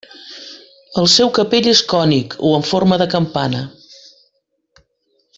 El seu capell és cònic o en forma de campana.